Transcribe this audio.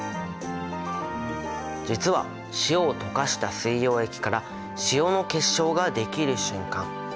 実は塩を溶かした水溶液から塩の結晶ができる瞬間。